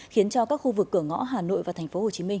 khiến cho các khu vực cửa ngõ hà nội và tp hcm